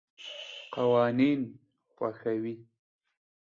قوانین خوښوي.